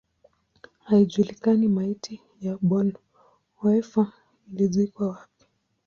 Haijulikani maiti ya Bonhoeffer ilizikwa wapi.